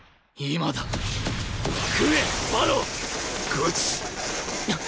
ゴチ！